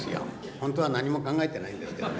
ほんとは何も考えてないんですけどね。